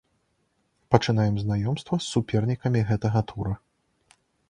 Пачынаем знаёмства з супернікамі гэтага тура.